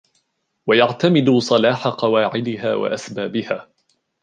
وَيَعْتَمِدُوا صَلَاحَ قَوَاعِدِهَا وَأَسْبَابِهَا